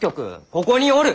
ここにおる！